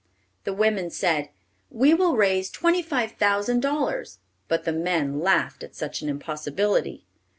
The women said, "We will raise twenty five thousand dollars," but the men laughed at such an impossibility.